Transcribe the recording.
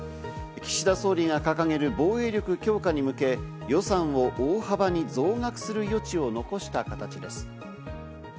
岸田総理が掲げる防衛力強化に向け予算を大幅に増額する余地を残した形です。